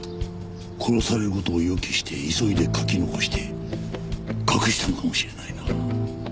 殺される事を予期して急いで書き残して隠したのかもしれないな。